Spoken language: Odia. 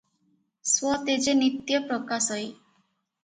ସ୍ୱତେଜେ ନିତ୍ୟ ପ୍ରକାଶଇ ।